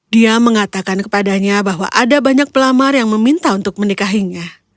dia mengatakan kepadanya bahwa ada banyak pelamar yang meminta untuk menikahinya